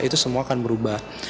itu semua akan berubah